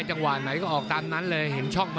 ชกไม่ซีซัวพะเลยนะ